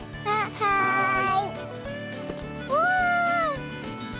はい。